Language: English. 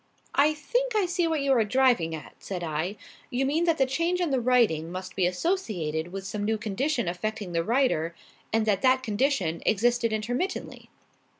"I think I see what you are driving at," said I. "You mean that the change in the writing must be associated with some new condition affecting the writer, and that that condition existed intermittently?"